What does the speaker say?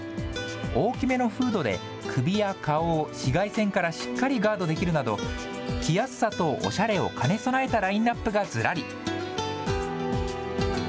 大きめのフードで、首や顔を紫外線からしっかりガードできるなど、着やすさとおしゃれを兼ね備えたラインナップがずらり。